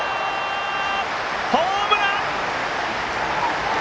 ホームラン！